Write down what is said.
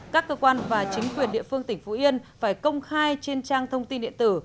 các cơ quan và chính quyền địa phương tỉnh phú yên phải công khai trên trang thông tin điện tử